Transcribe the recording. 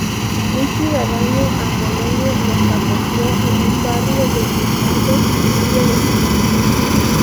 Un ciudadano angoleño los acogió en un barrio de inmigrantes en Río de Janeiro.